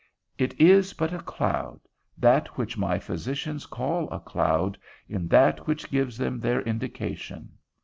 It is but a cloud; that which my physicians call a cloud, in that which gives them their indication.